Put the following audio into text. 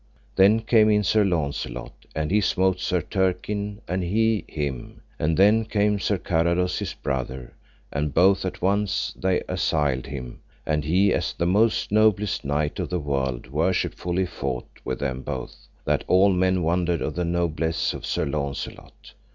Then came in Sir Launcelot, and he smote Sir Turquine, and he him; and then came Sir Carados his brother, and both at once they assailed him, and he as the most noblest knight of the world worshipfully fought with them both, that all men wondered of the noblesse of Sir Launcelot.